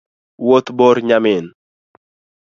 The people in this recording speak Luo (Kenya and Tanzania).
Wuoth bor nyamin